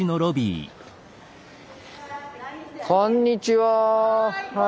はいこんにちは！